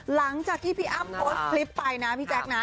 หลังจากที่พี่อ้ำโพสต์คลิปไปนะพี่แจ๊คนะ